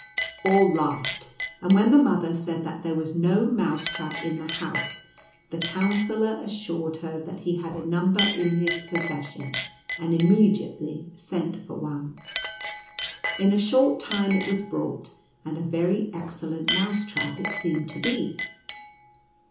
All laughed ; and, when the mother said that there was no mouse trap in the house, the Coun sellor assured her that he had a number in his possession, and immediately sent for one. In a short time it was brought, and a very excellent mouse trap it seemed to be.